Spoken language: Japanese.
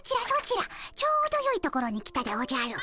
ちょうどよいところに来たでおじゃる。